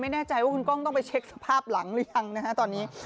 ไม่แน่ใจว่าคุณกล้องต้องไปเช็คสภาพหลังหรือยังนะฮะตอนนี้